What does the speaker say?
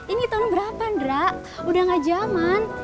ini tahun berapa ndra udah nggak zaman